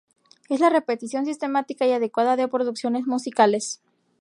Es la repetición sistemática y adecuada de producciones musicales.